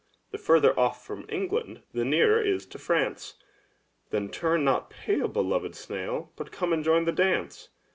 The further ofif from England, the nearer is to France, Then turn not pale, beloved snail, but come and join the dance.